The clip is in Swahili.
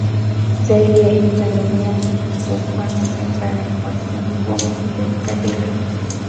Zaidi ya hili Tanzania hawafanyi sensa ya kwa mujibu wa makundi ya kikabila